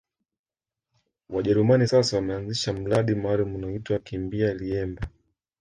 Wajerumani sasa wameanzisha mradi maalumu unaoitwa kimbia liemba